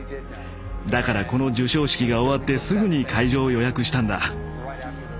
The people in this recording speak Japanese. だからこの授賞式が終わってすぐに会場を予約したんだ。